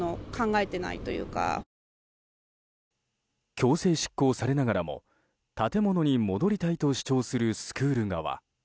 強制執行されながらも建物に戻りたいと主張するスクール側。